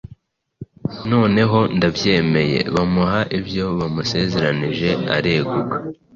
Noneho ndabyemeye». Bamuha ibyo bamusezeranije areguka.